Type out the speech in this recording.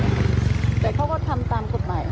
แต่เขาก็ทำตามกฎหมาย